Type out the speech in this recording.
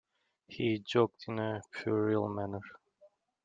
He joked in a puerile manner.